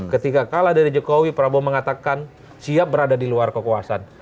ketika kalah dari jokowi prabowo mengatakan siap berada di luar kekuasaan